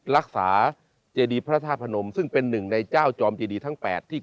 รักษาเจดีพระธาตุพระนมซึ่งเป็น๑ในเจ้าจอมเจดีทั้ง๘